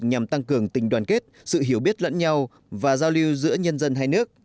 nhằm tăng cường tình đoàn kết sự hiểu biết lẫn nhau và giao lưu giữa nhân dân hai nước